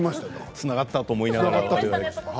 つながったと思いながら我々。